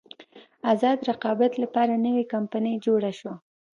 ازاد رقابت لپاره نوې کمپنۍ جوړه شوه.